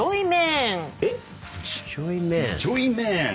ジョイメーン。